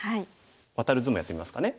ワタる図もやってみますかね。